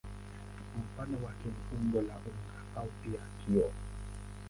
Mfano wake ni umbo la unga au pia kioo.